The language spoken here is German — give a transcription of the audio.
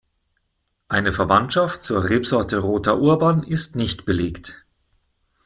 Eine Verwandtschaft zur Rebsorte Roter Urban ist nicht belegt.